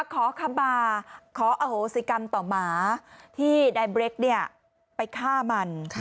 ขออโฮศิกรรมต่อมาที่ได้เบรคไปฆ่ามัน